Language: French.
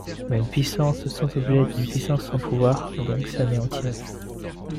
Mais une puissance sans objet est une puissance sans pouvoir donc s'anéantirait.